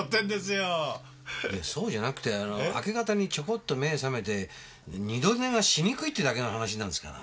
いやそうじゃなくてあの明け方にちょこっと目ぇ覚めて二度寝がしにくいってだけの話なんですから。